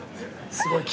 すごい。